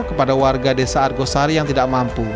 kepada warga desa argosari yang tidak mampu